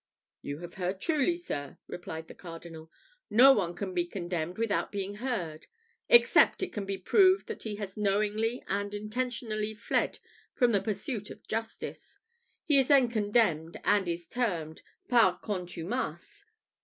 "You have heard truly, sir," replied the Cardinal. "No one can be condemned without being heard, except it can be proved that he has knowingly and intentionally fled from the pursuit of justice: he is then condemned, as it is termed, par contumace.